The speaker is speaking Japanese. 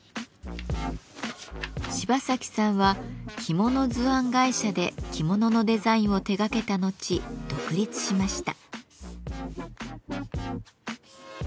芝崎さんは着物図案会社で着物のデザインを手がけた後独立しました。